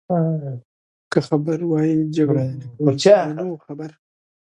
که خبر وای جګړه يې نه کول، نو نه وو خبر.